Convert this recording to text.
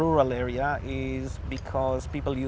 adalah karena orang orang selalu